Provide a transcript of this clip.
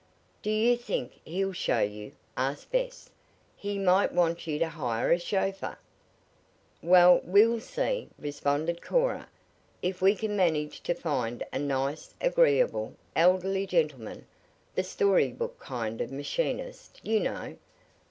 "Do you think he'll show you?" asked Bess. "He might want you to hire a chauffeur." "Well, we'll see," responded Cora. "If we can manage to find a nice, agreeable, elderly gentleman the story book kind of machinist, you know.